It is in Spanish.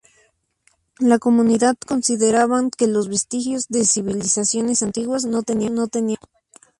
La comunidad consideraban que los vestigios de civilizaciones antiguas no tenían valor.